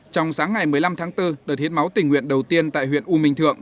trong sáng ngày một mươi năm tháng bốn đợt hiến máu tình nguyện đầu tiên tại huyện u minh thượng